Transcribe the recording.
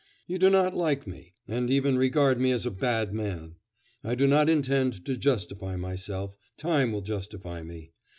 You do not like me, and even regard me as a bad man. I do not intend to justify myself; time will justify me.